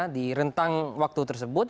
di rentang waktu tersebut